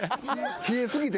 冷え過ぎて。